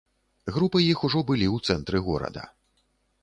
Групы іх ужо былі ў цэнтры горада.